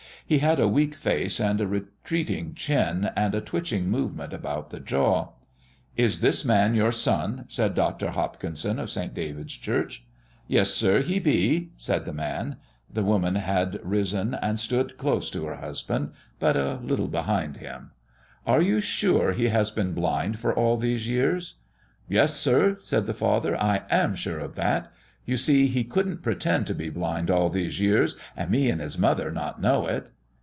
He had a weak face and a retreating chin and a twitching movement about the jaw. "Is this man your son?" said Dr. Hopkinson, of St. David's Church. "Yes, sir, he be," said the man. The woman also had risen and stood close to her husband, but a little behind him. "Are you sure he has been blind for all these years?" "Yes, sir," said the father, "I am sure of that. You see, he couldn't pretend to be blind all these years and me and his mother not know it."